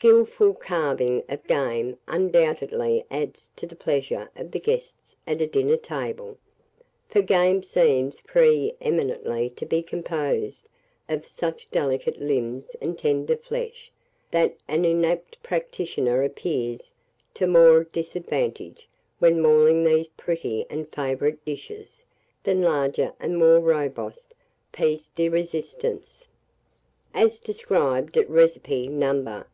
Skilful carving of game undoubtedly adds to the pleasure of the guests at a dinner table; for game seems pre eminently to be composed of such delicate limbs and tender flesh that an inapt practitioner appears to more disadvantage when mauling these pretty and favourite dishes, than larger and more robust pièces de résistance. As described at recipe No.